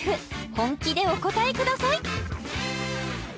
本気でお答えください！